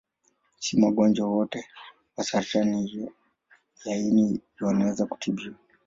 Si wagonjwa wote wa saratani ya ini wanaweza kutibiwa.